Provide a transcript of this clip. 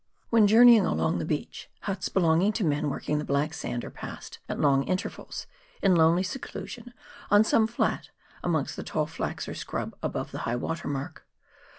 When journeying along the beach, huts belonging to men working the black sand are passed at long intervals, in lonely seclusion on some flat amongst the tall flax or scrub above high water mark.